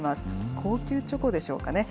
高級チョコでしょうかね。